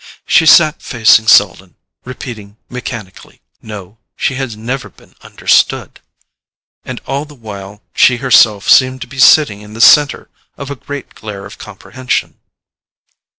She sat facing Selden, repeating mechanically: "No, she has never been understood——" and all the while she herself seemed to be sitting in the centre of a great glare of comprehension.